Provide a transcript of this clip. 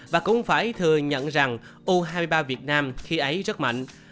và cũng phải thừa nhận rằng u hai mươi ba việt nam khi ấy rất mạnh